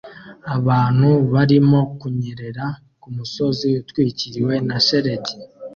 Abantu barimo kunyerera kumusozi utwikiriwe na shelegi